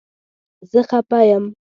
زه خپه یم